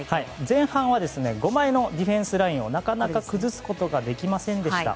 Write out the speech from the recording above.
前半は５枚のディフェンスラインをなかなか崩すことができませんでした。